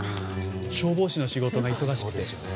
消防士の仕事が忙しくて。